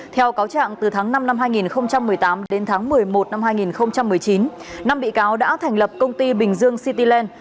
theo cáo trạng từ tháng năm năm hai nghìn một mươi tám đến tháng một mươi một năm hai nghìn một mươi chín năm bị cáo đã thành lập công ty bình dương cityland